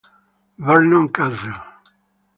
Vernon Castle